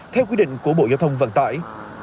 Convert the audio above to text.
theo quy định của bộ giao thông vận tải